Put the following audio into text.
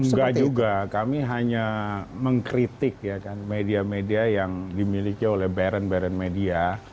enggak juga kami hanya mengkritik media media yang dimiliki oleh baron baron media